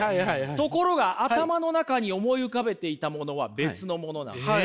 ところが頭の中に思い浮かべていたものは別のものなんです。